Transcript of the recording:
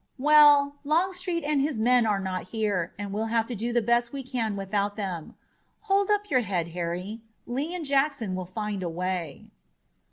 "Well, Longstreet and his men are not here, and we'll have to do the best we can without them. Hold up your head, Harry. Lee and Jackson will find a way."